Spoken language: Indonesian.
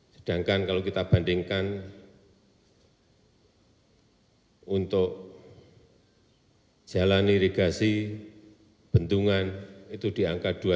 sedangkan kalau kita bandingkan untuk jalan irigasi bendungan itu di angka dua puluh tiga lima triliun